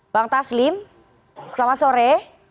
bang taslim selamat sore